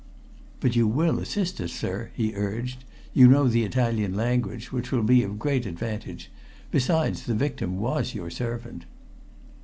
"But you will assist us, sir?" he urged. "You know the Italian language, which will be of great advantage; besides, the victim was your servant."